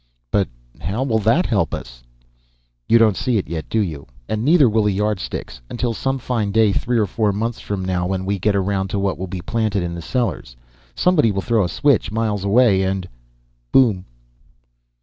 "But how will that help us?" "You don't see it yet, do you? And neither will the Yardsticks. Until, some fine day three or four months from now, we get around to what will be planted in the cellars. Somebody will throw a switch, miles away, and boom!"